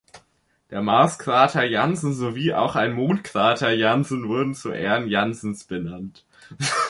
Der Marskrater Janssen sowie auch ein Mondkrater Janssen wurden zu Ehren Janssens benannt.